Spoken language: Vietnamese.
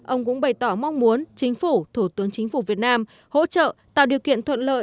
ông cũng bày tỏ mong muốn chính phủ thủ tướng chính phủ việt nam hỗ trợ tạo điều kiện thuận lợi